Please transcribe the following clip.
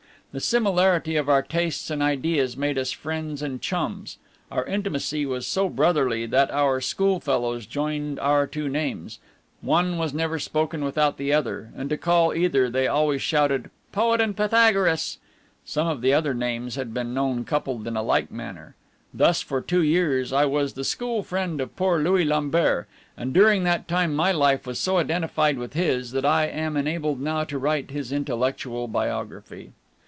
The similarity of our tastes and ideas made us friends and chums; our intimacy was so brotherly that our school fellows joined our two names; one was never spoken without the other, and to call either they always shouted "Poet and Pythagoras!" Some other names had been known coupled in a like manner. Thus for two years I was the school friend of poor Louis Lambert; and during that time my life was so identified with his, that I am enabled now to write his intellectual biography.